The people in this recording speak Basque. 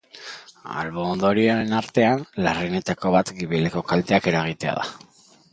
Albo-ondorioen artean, larrienetako bat gibeleko kalteak eragitea da.